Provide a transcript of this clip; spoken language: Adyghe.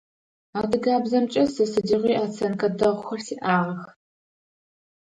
Адыгэбзэмкӏэ сэ сыдигъуи оценкэ дэгъухэр сиӏагъэх.